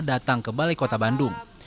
datang ke balai kota bandung